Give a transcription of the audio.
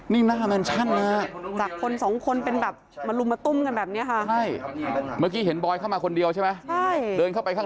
เนี่ยภักร์ปลึกปากโอ้โหมนุษย์เห็นไหมสอน